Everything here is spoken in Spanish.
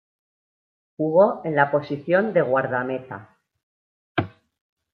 Jugó en la posición de guardameta.